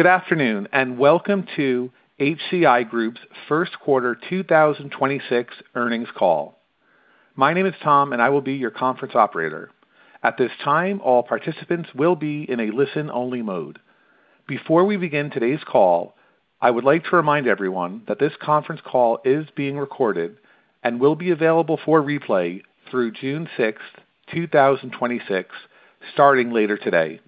Good afternoon, welcome to HCI Group's first quarter 2026 earnings call. My name is Tom, and I will be your conference operator. At this time, all participants will be in a listen-only mode. Before we begin today's call, I would like to remind everyone that this conference call is being recorded and will be available for replay through June 6, 2026, starting later today.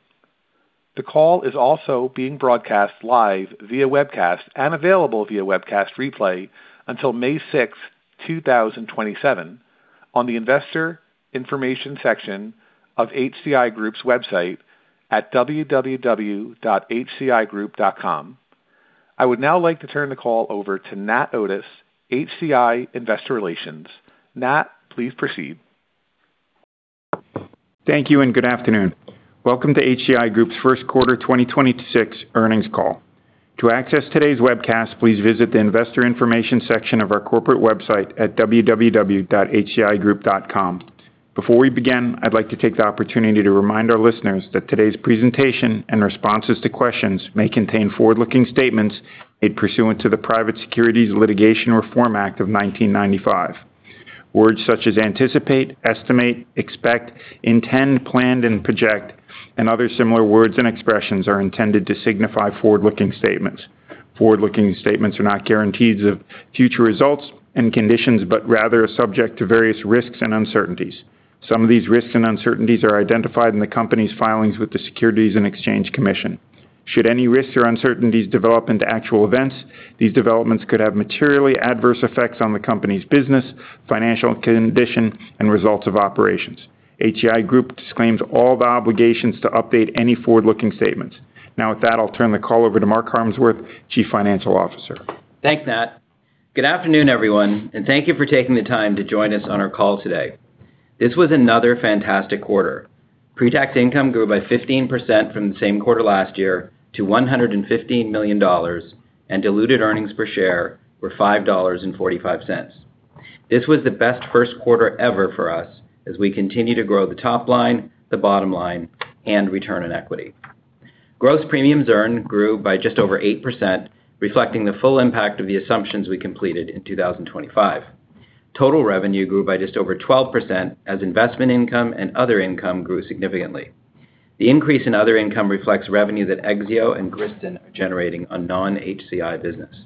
The call is also being broadcast live via webcast and available via webcast replay until May 6, 2027 on the investor information section of HCI Group's website at www.hcigroup.com. I would now like to turn the call over to Nat Otis, HCI Investor Relations. Nat, please proceed. Thank you. Good afternoon. Welcome to HCI Group's first quarter 2026 earnings call. To access today's webcast, please visit the investor information section of our corporate website at hcigroup.com. Before we begin, I'd like to take the opportunity to remind our listeners that today's presentation and responses to questions may contain forward-looking statements made pursuant to the Private Securities Litigation Reform Act of 1995. Words such as anticipate, estimate, expect, intend, planned, and project and other similar words and expressions are intended to signify forward-looking statements. Forward-looking statements are not guarantees of future results and conditions, but rather are subject to various risks and uncertainties. Some of these risks and uncertainties are identified in the company's filings with the Securities and Exchange Commission. Should any risks or uncertainties develop into actual events, these developments could have materially adverse effects on the company's business, financial condition, and results of operations. HCI Group disclaims all the obligations to update any forward-looking statements. Now, with that, I'll turn the call over to Mark Harmsworth, Chief Financial Officer. Thanks, Nat. Good afternoon, everyone, and thank you for taking the time to join us on our call today. This was another fantastic quarter. Pre-tax income grew by 15% from the same quarter last year to $115 million, and diluted earnings per share were $5.45. This was the best first quarter ever for us as we continue to grow the top line, the bottom line, and return on equity. Gross premiums earned grew by just over 8%, reflecting the full impact of the assumptions we completed in 2025. Total revenue grew by just over 12% as investment income and other income grew significantly. The increase in other income reflects revenue that Exzeo and Griston are generating on non-HCI business.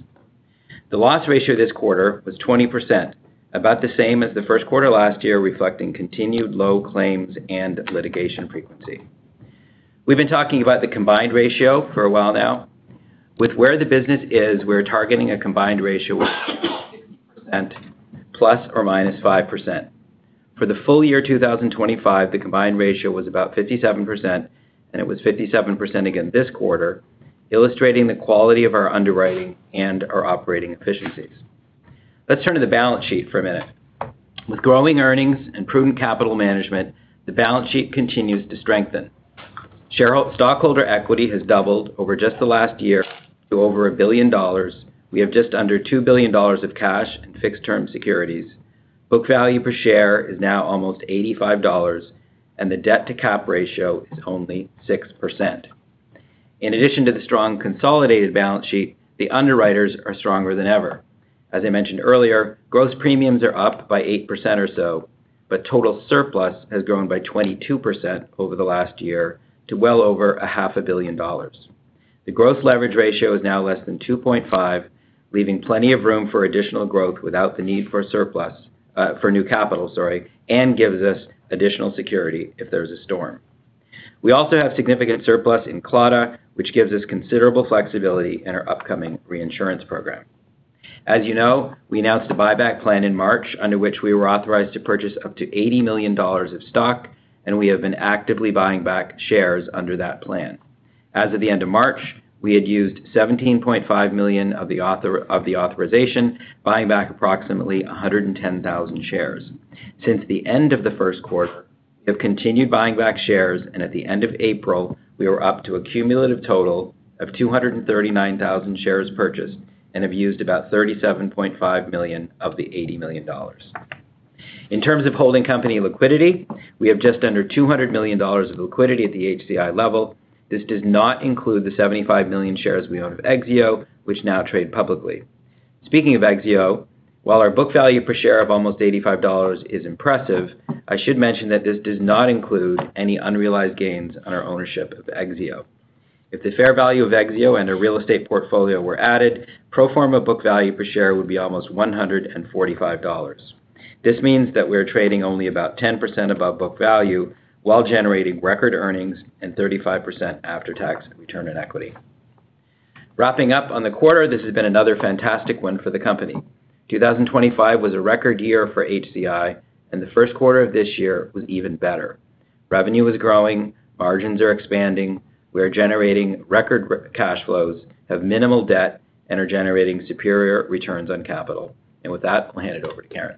The loss ratio this quarter was 20%, about the same as the first quarter last year, reflecting continued low claims and litigation frequency. We've been talking about the combined ratio for a while now. With where the business is, we're targeting a combined ratio of 60% ±5%. For the full year 2025, the combined ratio was about 57%, and it was 57% again this quarter, illustrating the quality of our underwriting and our operating efficiencies. Let's turn to the balance sheet for a minute. With growing earnings and prudent capital management, the balance sheet continues to strengthen. Stockholder equity has doubled over just the last year to over $1 billion. We have just under $2 billion of cash in fixed-term securities. Book value per share is now almost $85, and the debt-to-capital ratio is only 6%. In addition to the strong consolidated balance sheet, the underwriters are stronger than ever. As I mentioned earlier, gross premiums are up by 8% or so, but total surplus has grown by 22% over the last year to well over a half a billion dollars. The gross leverage ratio is now less than 2.5, leaving plenty of room for additional growth without the need for new capital, sorry, and gives us additional security if there's a storm. We also have significant surplus in Claddagh, which gives us considerable flexibility in our upcoming reinsurance program. As you know, we announced a buyback plan in March under which we were authorized to purchase up to $80 million of stock, and we have been actively buying back shares under that plan. As of the end of March, we had used $17.5 million of the authorization, buying back approximately 110,000 shares. Since the end of the first quarter, we have continued buying back shares, and at the end of April, we were up to a cumulative total of 239,000 shares purchased and have used about $37.5 million of the $80 million. In terms of holding company liquidity, we have just under $200 million of liquidity at the HCI level. This does not include the 75 million shares we own of Exzeo, which now trade publicly. Speaking of Exzeo, while our book value per share of almost $85 is impressive, I should mention that this does not include any unrealized gains on our ownership of Exzeo. If the fair value of Exzeo and our real estate portfolio were added, pro forma book value per share would be almost $145. This means that we're trading only about 10% above book value while generating record earnings and 35% after-tax return on equity. Wrapping up on the quarter, this has been another fantastic one for the company. 2025 was a record year for HCI, and the first quarter of this year was even better. Revenue is growing, margins are expanding, we are generating record cash flows, have minimal debt, and are generating superior returns on capital. With that, I'll hand it over to Karin.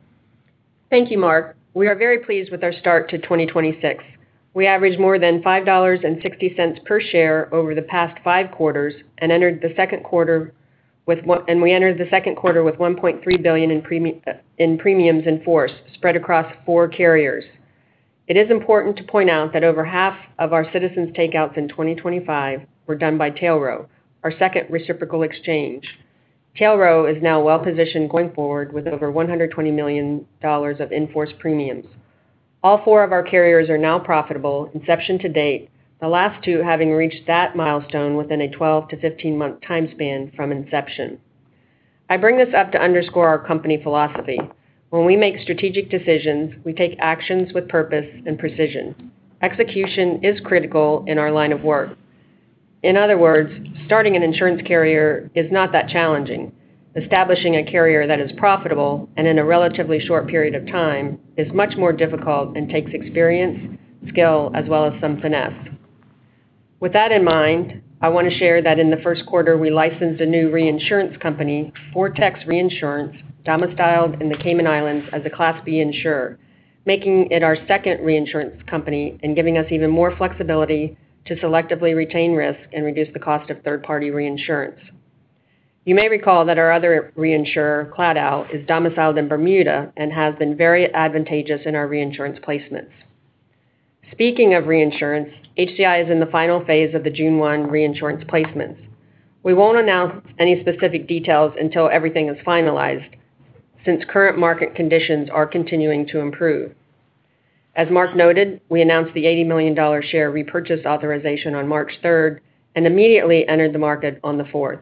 Thank you, Mark. We are very pleased with our start to 2026. We averaged more than $5.60 per share over the past five quarters and we entered the second quarter with $1.3 billion in premiums in force spread across four carriers. It is important to point out that over half of our Citizens takeouts in 2025 were done by Tailrow, our second reciprocal exchange. Tailrow is now well-positioned going forward with over $120 million of in-force premiums. All four of our carriers are now profitable inception to date, the last two having reached that milestone within a 12 to 15-month time span from inception. I bring this up to underscore our company philosophy. When we make strategic decisions, we take actions with purpose and precision. Execution is critical in our line of work. In other words, starting an insurance carrier is not that challenging. Establishing a carrier that is profitable and in a relatively short period of time is much more difficult and takes experience, skill, as well as some finesse. With that in mind, I want to share that in the first quarter, we licensed a new reinsurance company, Fortex Reinsurance, domiciled in the Cayman Islands as a Class B insurer, making it our second reinsurance company and giving us even more flexibility to selectively retain risk and reduce the cost of third-party reinsurance. You may recall that our other reinsurer, Claddagh, is domiciled in Bermuda and has been very advantageous in our reinsurance placements. Speaking of reinsurance, HCI is in the final phase of the June 1 reinsurance placements. We won't announce any specific details until everything is finalized since current market conditions are continuing to improve. As Mark noted, we announced the $80 million share repurchase authorization on March 3rd and immediately entered the market on the fourth.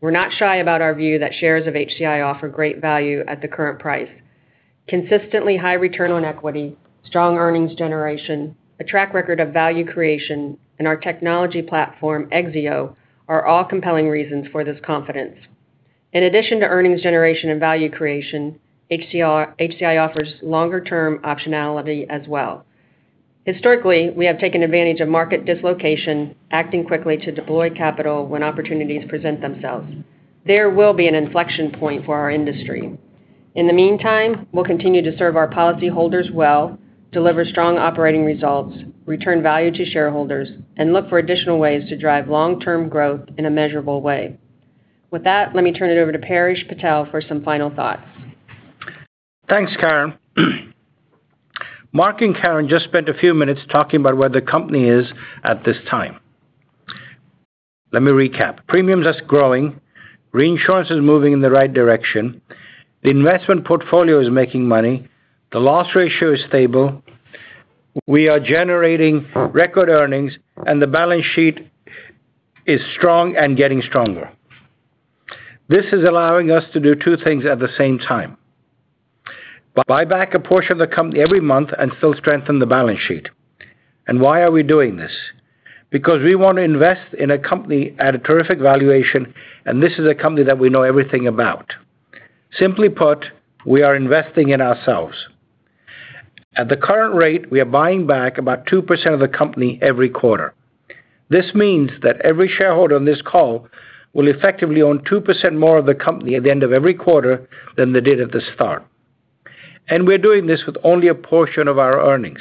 We're not shy about our view that shares of HCI offer great value at the current price. Consistently high return on equity, strong earnings generation, a track record of value creation, and our technology platform, Exzeo, are all compelling reasons for this confidence. In addition to earnings generation and value creation, HCI offers longer-term optionality as well. Historically, we have taken advantage of market dislocation, acting quickly to deploy capital when opportunities present themselves. There will be an inflection point for our industry. In the meantime, we'll continue to serve our policyholders well, deliver strong operating results, return value to shareholders, and look for additional ways to drive long-term growth in a measurable way. With that, let me turn it over to Paresh Patel for some final thoughts. Thanks, Karin. Mark and Karin just spent a few minutes talking about where the company is at this time. Let me recap. Premiums are growing. Reinsurance is moving in the right direction. The investment portfolio is making money. The loss ratio is stable. We are generating record earnings, and the balance sheet is strong and getting stronger. This is allowing us to do two things at the same time: buy back a portion of the company every month and still strengthen the balance sheet. Why are we doing this? Because we want to invest in a company at a terrific valuation, and this is a company that we know everything about. Simply put, we are investing in ourselves. At the current rate, we are buying back about 2% of the company every quarter. This means that every shareholder on this call will effectively own 2% more of the company at the end of every quarter than they did at the start. We're doing this with only a portion of our earnings.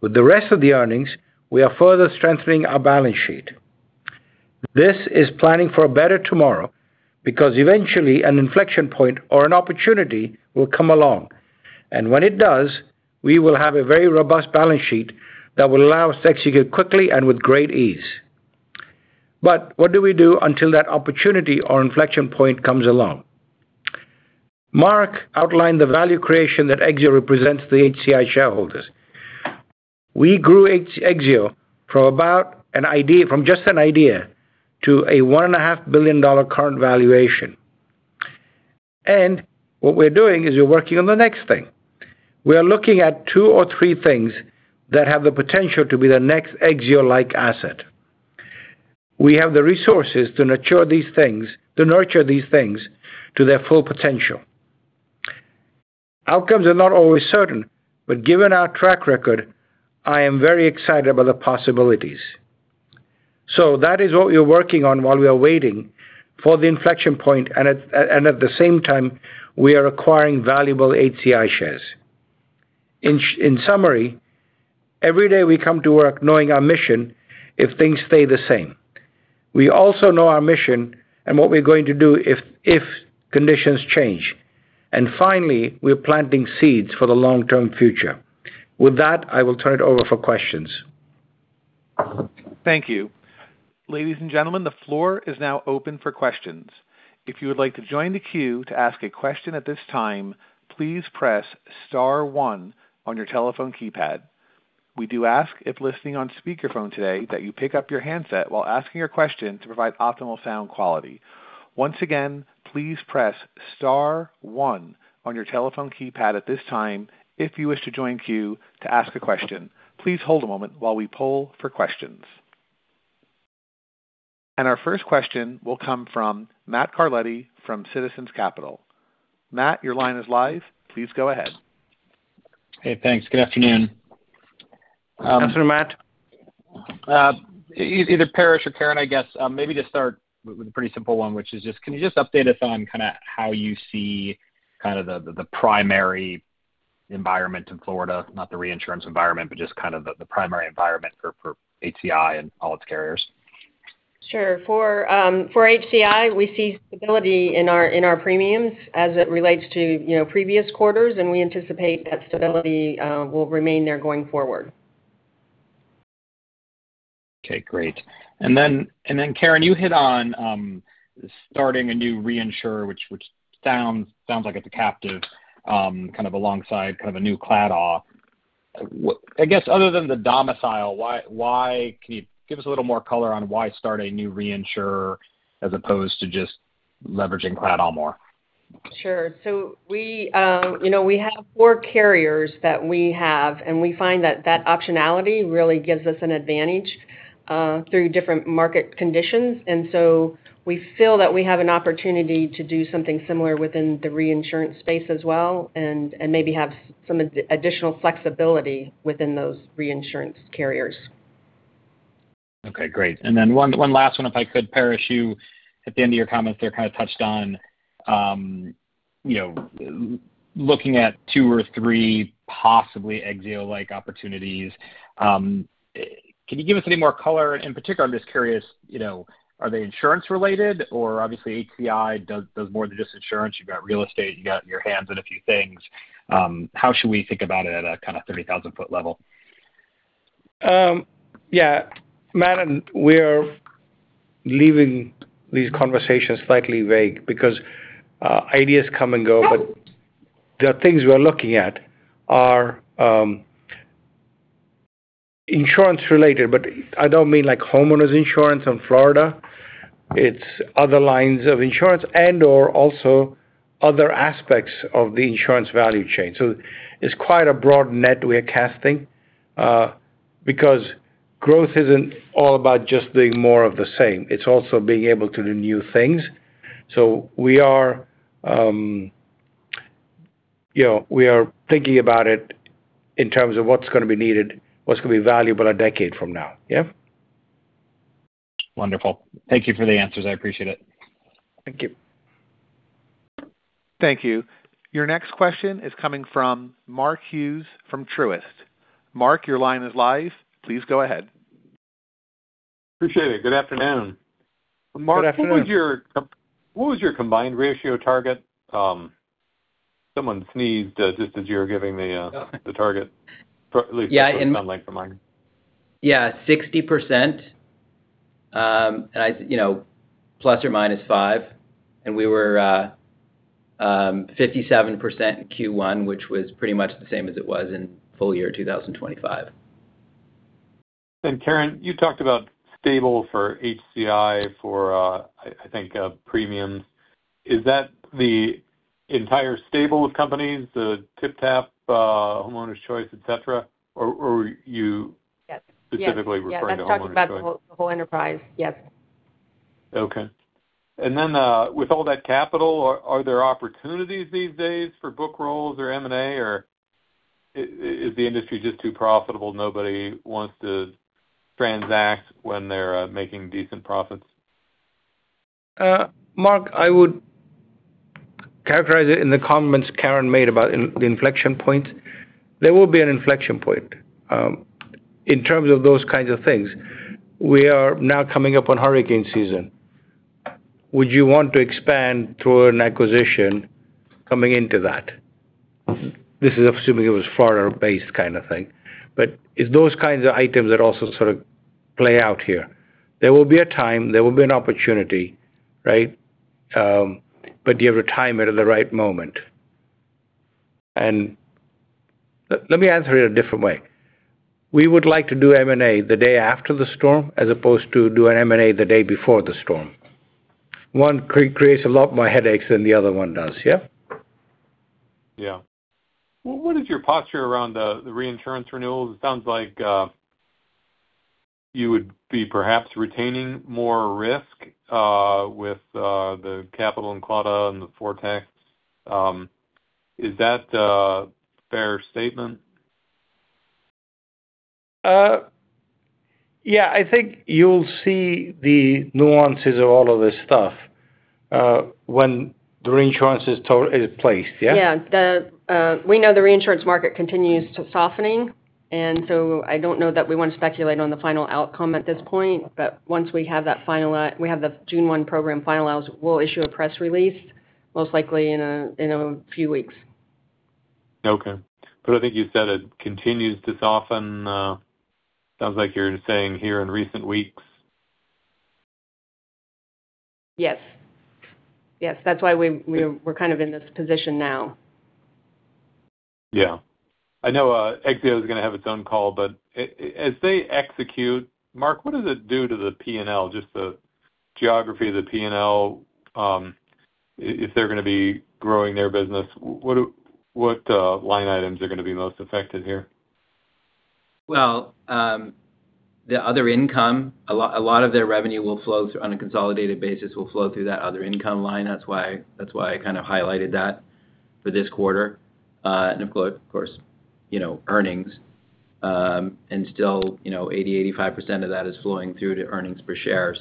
With the rest of the earnings, we are further strengthening our balance sheet. This is planning for a better tomorrow because eventually an inflection point or an opportunity will come along. When it does, we will have a very robust balance sheet that will allow us to execute quickly and with great ease. What do we do until that opportunity or inflection point comes along? Mark outlined the value creation that Exzeo represents to the HCI shareholders. We grew Exzeo from just an idea to a $1.5 billion current valuation. What we're doing is we're working on the next thing. We are looking at two or three things that have the potential to be the next Exzeo-like asset. We have the resources to nurture these things to their full potential. Outcomes are not always certain, but given our track record, I am very excited about the possibilities. That is what we are working on while we are waiting for the inflection point and at the same time, we are acquiring valuable HCI shares. In summary, every day we come to work knowing our mission if things stay the same. We also know our mission and what we're going to do if conditions change. Finally, we're planting seeds for the long-term future. With that, I will turn it over for questions. Thank you. Ladies and gentlemen, the floor is now open for questions. Our first question will come from Matthew Carletti from JMP Securities. Matt, your line is live. Please go ahead. Hey, thanks. Good afternoon. Good afternoon, Matt. either Paresh or Karin, I guess, maybe just start with a pretty simple one, which is just can you just update us on kinda how you see kind of the primary environment in Florida, not the reinsurance environment, but just kind of the primary environment for HCI and all its carriers? Sure. For, for HCI, we see stability in our premiums as it relates to, you know, previous quarters, and we anticipate that stability will remain there going forward. Okay, great. Then Karin, you hit on starting a new reinsurer, which sounds like it's a captive, kind of alongside kind of a new Claddagh. I guess other than the domicile, why can you give us a little more color on why start a new reinsurer as opposed to just leveraging Claddagh more? Sure. We, you know, we have four carriers that we have, and we find that that optionality really gives us an advantage through different market conditions. We feel that we have an opportunity to do something similar within the reinsurance space as well, and maybe have some additional flexibility within those reinsurance carriers. Okay, great. One last one, if I could. Paresh, you at the end of your comments there kind of touched on, you know, looking at two or three possibly Exzeo-like opportunities. Can you give us any more color? In particular, I'm just curious, you know, are they insurance-related? Obviously HCI does more than just insurance. You've got real estate, you got your hands in a few things. How should we think about it at a kind of 30,000-foot level? Yeah. Matt, we are leaving these conversations slightly vague because ideas come and go. The things we're looking at are insurance-related, but I don't mean like homeowners insurance in Florida. It's other lines of insurance and/or also other aspects of the insurance value chain. It's quite a broad net we're casting because growth isn't all about just doing more of the same. It's also being able to do new things. We are, you know, we are thinking about it in terms of what's going to be needed, what's going to be valuable a decade from now. Yeah. Wonderful. Thank you for the answers. I appreciate it. Thank you. Thank you. Your next question is coming from Mark Hughes from Truist. Mark, your line is live. Please go ahead. Appreciate it. Good afternoon. Good afternoon. Mark, what was your combined ratio target? Someone sneezed, just as you were giving the target. At least that's what it sound like to me. Yeah, 60%, you know, ±5. We were 57% in Q1, which was pretty much the same as it was in full year 2025. Karin, you talked about stable for HCI for, I think, premiums? Is that the entire stable of companies, the TypTap, Homeowners Choice, et cetera? Or? Yes. specifically referring to Homeowners Choice? Yeah, that's talking about the whole enterprise. Yes. Okay. With all that capital, are there opportunities these days for book rolls or M&A, or is the industry just too profitable, nobody wants to transact when they're making decent profits? Mark, I would characterize it in the comments Karin made about the inflection point. There will be an inflection point in terms of those kinds of things. We are now coming up on hurricane season. Would you want to expand through an acquisition coming into that? This is assuming it was Florida-based kind of thing. It's those kinds of items that also sort of play out here. There will be a time, there will be an opportunity, right? You have to time it at the right moment. Let me answer it a different way. We would like to do M&A the day after the storm as opposed to do an M&A the day before the storm. One creates a lot more headaches than the other one does. Yeah. Well, what is your posture around the reinsurance renewals? It sounds like you would be perhaps retaining more risk with the capital in Claddagh and the Fortex. Is that a fair statement? I think you'll see the nuances of all of this stuff when the reinsurance is placed. Yeah? Yeah. The, we know the reinsurance market continues to softening. I don't know that we want to speculate on the final outcome at this point. Once we have that final, we have the June 1 program finalized, we'll issue a press release, most likely in a few weeks. Okay. I think you said it continues to soften. Sounds like you're saying here in recent weeks. Yes. Yes. That's why we're kind of in this position now. Yeah. I know, Exzeo is going to have its own call, as they execute, Mark, what does it do to the P&L, just the geography of the P&L, if they're going to be growing their business, what line items are going to be most affected here? Well, the other income. A lot of their revenue will flow through on a consolidated basis, will flow through that other income line. That's why I kind of highlighted that for this quarter. And of course, you know, earnings. And still, you know, 85% of that is flowing through to earnings per share.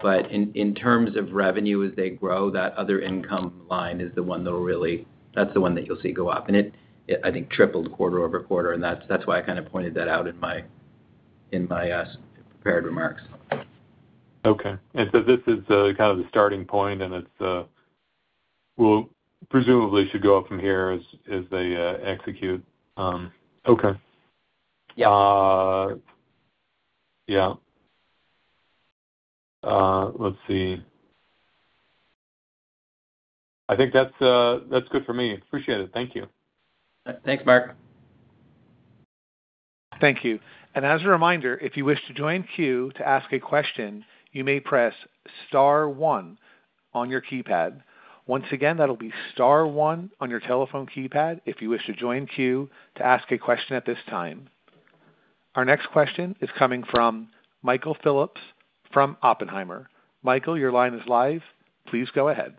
But in terms of revenue, as they grow, that other income line is the one that you'll see go up. And it, I think, tripled quarter-over-quarter, and that's why I kind of pointed that out in my prepared remarks. Okay. This is kind of the starting point, and it will presumably should go up from here as they execute. Okay. Yeah. Yeah. Let's see. I think that's good for me. Appreciate it. Thank you. Thanks, Mark. Thank you. Our next question is coming from Michael Phillips from Oppenheimer. Michael, your line is live. Please go ahead.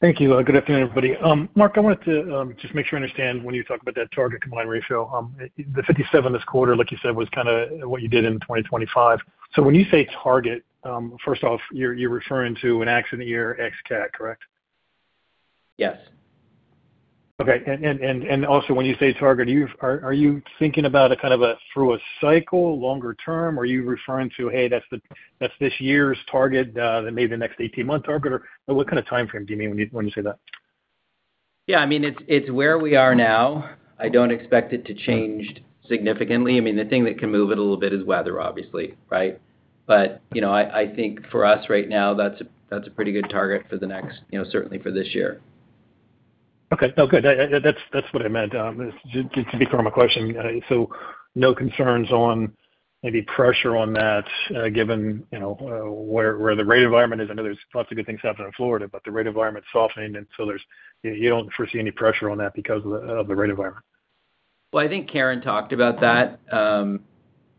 Thank you. Good afternoon, everybody. Mark, I wanted to, just make sure I understand when you talk about that target combined ratio. The 57 this quarter, like you said, was kinda what you did in 2025. When you say target, first off, you're referring to an accident year ex-cat, correct? Yes. Okay. Also, when you say target, are you thinking about a kind of a through a cycle longer term? Are you referring to, hey, that's this year's target, that may be the next 18-month target? Or what kind of timeframe do you mean when you say that? Yeah, I mean, it's where we are now. I don't expect it to change significantly. I mean, the thing that can move it a little bit is weather, obviously, right? You know, I think for us right now, that's a pretty good target for the next, you know, certainly for this year. Okay. No, good. That's, that's what I meant. Just to be clear on my question. No concerns on maybe pressure on that given where the rate environment is. I know there's lots of good things happening in Florida, but the rate environment's softening, and so there's you don't foresee any pressure on that because of the rate environment. Well, I think Karin talked about that.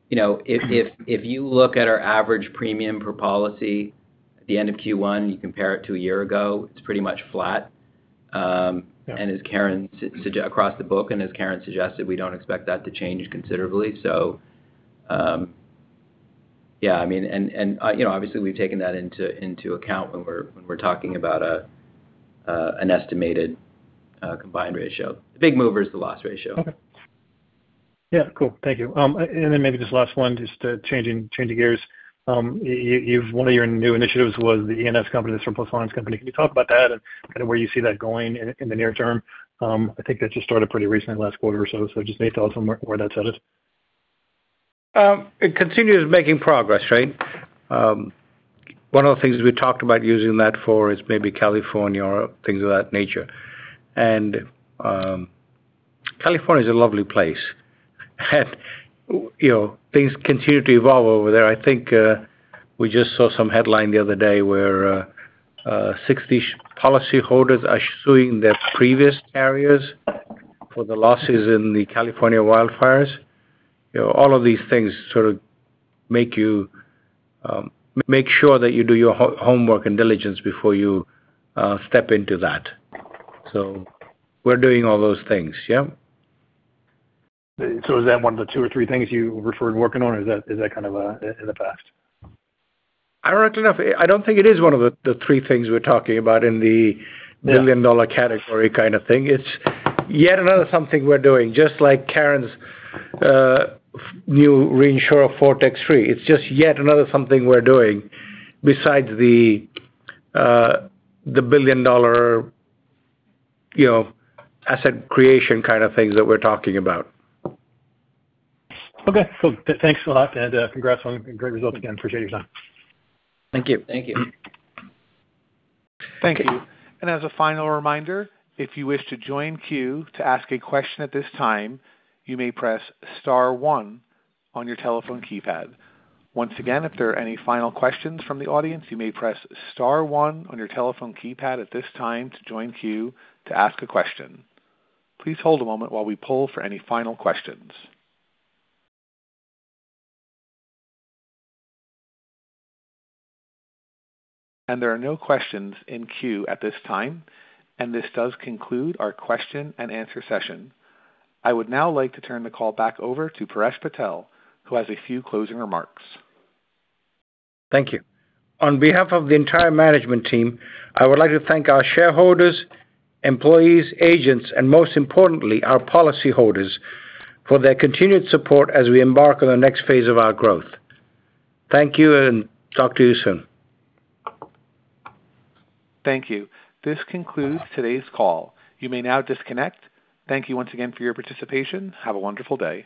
You know, if you look at our average premium per policy at the end of Q1, you compare it to a year ago, it's pretty much flat. Across the book, as Karin suggested, we don't expect that to change considerably. Yeah, I mean, you know, obviously we've taken that into account when we're talking about an estimated combined ratio. The big mover is the loss ratio. Okay. Yeah, cool. Thank you. Maybe just last one, changing gears. One of your new initiatives was the E&S company, the surplus lines company. Can you talk about that and kind of where you see that going in the near term? I think that just started pretty recently, last quarter or so. Just any thoughts on where that set is? It continues making progress, right? One of the things we talked about using that for is maybe California or things of that nature. California's a lovely place. You know, things continue to evolve over there. I think, we just saw some headline the other day where, 60 policyholders are suing their previous carriers for the losses in the California wildfires. You know, all of these things sort of make you make sure that you do your homework and diligence before you step into that. We're doing all those things, yeah. is that one of the two or three things you referred working on, or is that kind of, in the past? I don't know. I don't think it is one of the three things we're talking about in the billion-dollar category kind of thing. It's yet another something we're doing, just like Karin's new reinsurer for tax-free. It's just yet another something we're doing besides the billion-dollar, you know, asset creation kind of things that we're talking about. Okay, cool. thanks a lot, and congrats on great results again. Appreciate your time. Thank you. Thank you. Thank you. As a final reminder, if you wish to join queue to ask a question at this time, you may press star one on your telephone keypad. Once again, if there are any final questions from the audience, you may press star one on your telephone keypad at this time to join queue to ask a question. Please hold a moment while we poll for any final questions. There are no questions in queue at this time, and this does conclude our question and answer session. I would now like to turn the call back over to Paresh Patel, who has a few closing remarks. Thank you. On behalf of the entire management team, I would like to thank our shareholders, employees, agents, and most importantly, our policyholders for their continued support as we embark on the next phase of our growth. Thank you, and talk to you soon. Thank you. This concludes today's call. You may now disconnect. Thank you once again for your participation. Have a wonderful day.